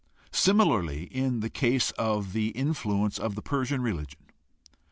Similarly in the case of the influence of the Persian religion.